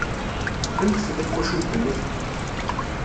Amek tella twacult-nnek?